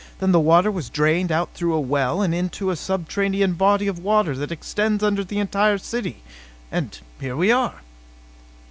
Then the water was drained out through a well, and into a subterranean body of water that extends under the entire city. And here we are."